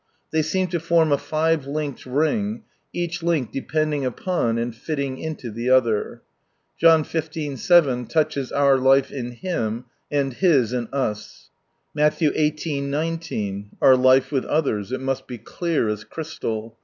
They seem to form a five linked ring, each link depending upon, and fitting into the other. John XV, 7 touches our life in Him and His In us. Matt, xviii. 19. Our hfe with others. It must be " clear as crystal."